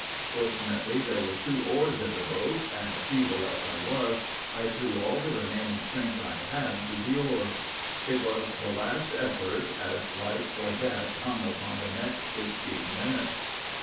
Fortunately, there were two oars in the boat, and, feeble as I was, I threw all the remaining strength I had to the oar. It was the last effort, as life or death hung upon the next fifteen minutes.